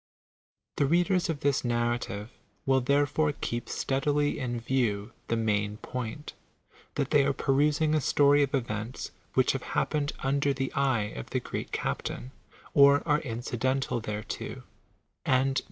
The readers of this" narrative will therefore keep steadily in view the main point — that tiiisy are perusing a story of events which have hap pened under the eye os" the great Captain, or are incidental thereto, and 4 PREFACE.